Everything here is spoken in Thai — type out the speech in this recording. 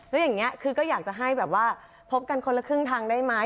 แล้วอย่างนี้คือก็อยากจะให้แบบว่าพบกันคนละครึ่งทางได้ไหม